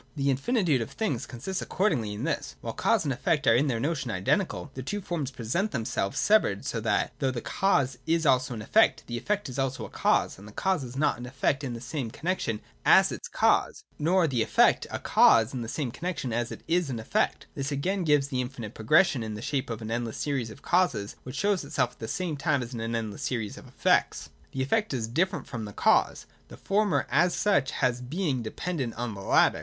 The finitude of things consists accordingly in this. While cause and effect are in their notion identical, the two forms present themselves severed so that, though the cause is also an effect, and the effect also a cause, the cause is not an effect in the same connexion as it is a cause, nor the 163, I54 ] CAUSE AND EFFECT. 279 effect a cause in the same connexion as it is an effect. This again gives the infinite progress, in the shape of an endless series of causes, which shows itself at the same time as an endless series of effects. 154.] The effect is different from the cause. The former as such has a being dependent on the latter.